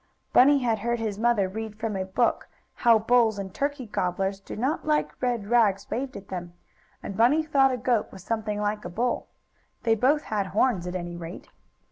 Bunny had heard his mother read from a book how bulls and turkey gobblers do not like red rags waved at them, and Bunny thought a goat was something like a bull. They both had horns, at any rate.